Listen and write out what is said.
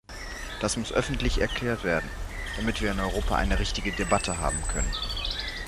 Das muss öffentlich erklärt werden, damit wir in Europa eine richtige Debatte haben können.